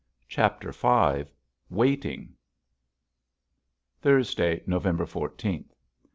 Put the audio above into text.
CHAPTER V WAITING Thursday, November fourteenth.